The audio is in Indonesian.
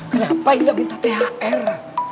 kenapa enggak minta thr